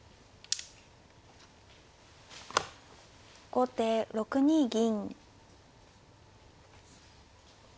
後手６二銀。